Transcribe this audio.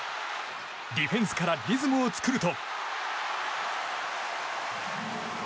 ディフェンスからリズムを作ると。